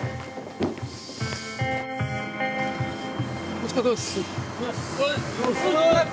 お疲れさまです。